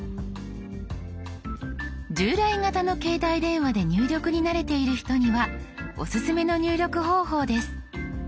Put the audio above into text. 従来型の携帯電話で入力に慣れている人にはオススメの入力方法です。